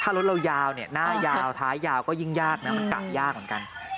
ถ้ารถเรายาวเนี่ยหน้ายาวท้ายยาวก็ยิ่งยากนะมันกะยากเหมือนกัน